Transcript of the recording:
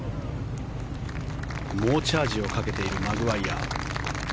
猛チャージをかけているマグワイヤ。